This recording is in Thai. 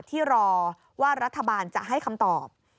ที่รอว่ารัฐบาลจะให้คำตอบ